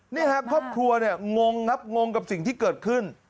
นี่ครับครอบครัวเนี่ยงงครับงงกับสิ่งที่เกิดขึ้น